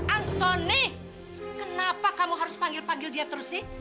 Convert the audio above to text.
antoni kenapa kamu harus panggil panggil dia terus sih